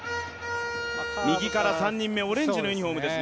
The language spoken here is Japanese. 右から３人目オレンジのユニフォームです。